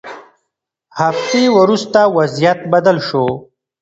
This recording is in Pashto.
هفتې وروسته وضعیت بدل شو.